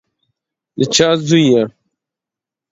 د چا زوی یې؟